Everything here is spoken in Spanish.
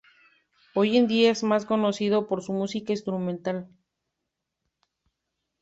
Hoy en día es más conocido por su música instrumental.